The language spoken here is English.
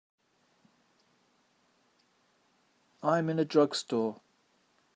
I'm in a drugstore.